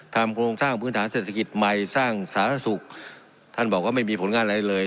โครงสร้างพื้นฐานเศรษฐกิจใหม่สร้างสารสุขท่านบอกว่าไม่มีผลงานอะไรเลย